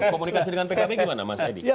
komunikasi dengan pkb gimana mas edi